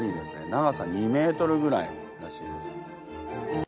長さ２ｍぐらいらしいです。